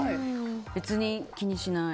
別に気にしない。